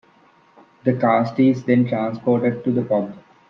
The cask is then transported to the pub.